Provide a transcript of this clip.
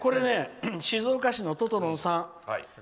静岡市のととろんさん。